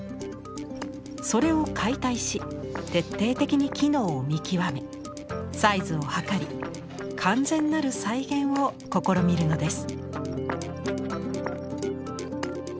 それを解体し徹底的に機能を見極めサイズを測り完全なる再現を試みるのです。